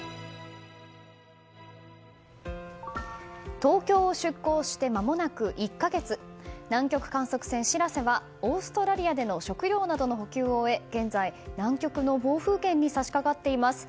東京を出航してまもなく１か月南極観測船「しらせ」はまもなくオーストラリアでの食料などの補給を終え現在、南極の暴風圏に差し掛かっています。